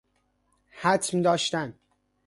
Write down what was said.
حتم داشتن